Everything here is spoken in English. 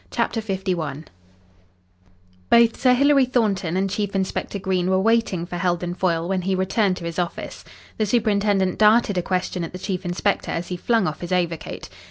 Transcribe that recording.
CHAPTER LI Both Sir Hilary Thornton and Chief Inspector Green were waiting for Heldon Foyle when he returned to his office. The superintendent darted a question at the chief inspector as he flung off his overcoat.